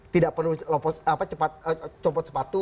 tidak perlu cepat copot sepatu